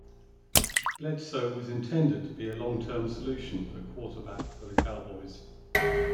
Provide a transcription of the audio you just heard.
Bledsoe was intended to be a long-term solution at quarterback for the Cowboys.